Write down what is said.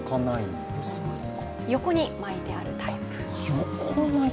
横にまいてあるタイプ。